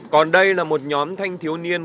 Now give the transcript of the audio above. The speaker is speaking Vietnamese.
còn đây là một nhóm thanh thiếu niên